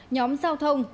nhóm giao thông